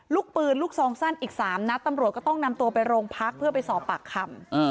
ลูกปืนลูกซองสั้นอีก๓นัดตำรวจก็ต้องนำตัวไปโรงพักเพื่อไปสอบปากคำ